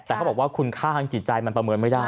แต่เขาบอกว่าคุณค่าทางจิตใจมันประเมินไม่ได้